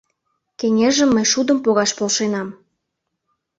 Кеҥежым мый шудым погаш полшенам.